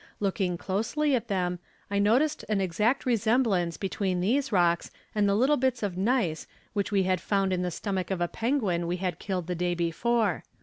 Looking closely at them, I noticed an exact resemblance between these rocks and the little bits of gneiss which we had found in the stomach of a penguin we had killed the day before.